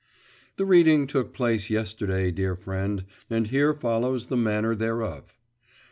The reading took place yesterday, dear friend, and here follows the manner thereof.